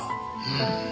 うん。